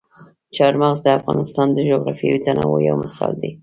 چار مغز د افغانستان د جغرافیوي تنوع یو مثال دی.